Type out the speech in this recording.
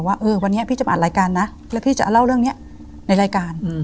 ว่าวันนี้พี่จะอ่านรายการนะแล้วพี่จะเล่าเรื่องนี้ในรายการ